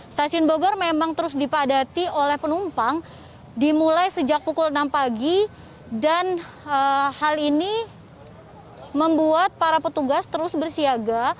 stasiun bogor memang terus dipadati oleh penumpang dimulai sejak pukul enam pagi dan hal ini membuat para petugas terus bersiaga